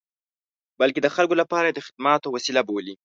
بلکې د خلکو لپاره یې د خدماتو وسیله بولي.